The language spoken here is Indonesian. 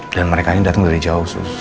dan mereka ini dateng dari jauh sus